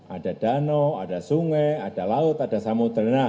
ada danau ada sungai ada laut ada samudera